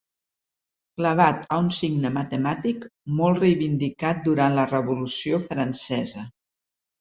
Clavat a un signe matemàtic molt reivindicat durant la Revolució Francesa.